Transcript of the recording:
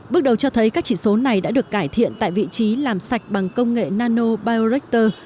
bước đầu cho thấy các chỉ số này đã được cải thiện tại vị trí làm sạch bằng công nghệ nanobioreactor